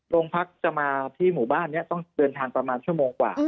โรงพักจะมาที่หมู่บ้านนี้ต้องเดินทางประมาณชั่วโมงกว่า